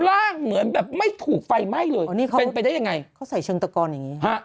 เหมือนแบบไม่ถูกไฟไหม้เลยเป็นไปได้ยังไงเขาใส่เชิงตะกอนอย่างนี้ฮะ